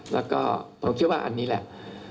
แล้วก็ผมคิดว่าอันนี้แหละ